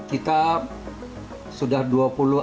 kita berharap pan akan berakhir